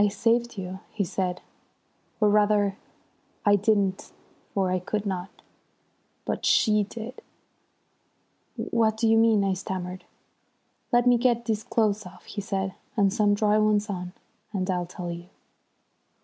"I saved you," he said, "or rather I didn't, for I could not. But she did." "What do you mean?" I stammered. "Let me get these clothes off," he said, "and some dry ones on; and I'll tell you."